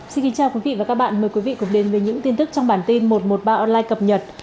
xin kính chào quý vị và các bạn mời quý vị cùng đến với những tin tức trong bản tin một trăm một mươi ba online cập nhật